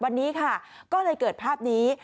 วันนี้ค่ะก็เลยเกิดภาพนี้